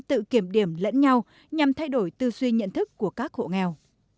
tự kiểm điểm lẫn nhau nhằm thay đổi tư duy nhận thức của các hộ nghèo